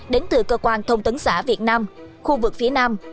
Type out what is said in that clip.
đến từ cơ quan thông tấn xã việt nam khu vực phía nam